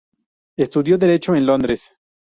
Estudió Derecho en Londres.